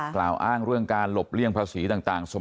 กล่าวอ้างเรื่องการหลบเลี่ยงภาษีต่าง